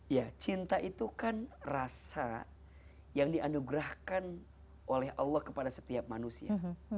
ya cinta itu kan rasa yang dianugerahkan oleh allah kepada setiap manusia